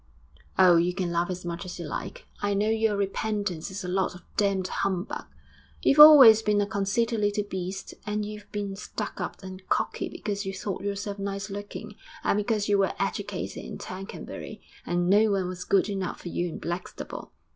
'Oh, you can laugh as much as you like! I know your repentance is a lot of damned humbug. You've always been a conceited little beast. And you've been stuck up and cocky because you thought yourself nice looking, and because you were educated in Tercanbury. And no one was good enough for you in Blackstable.